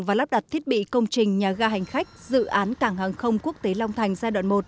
và lắp đặt thiết bị công trình nhà ga hành khách dự án cảng hàng không quốc tế long thành giai đoạn một